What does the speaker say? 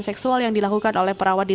seksual yang dilakukan oleh perawat di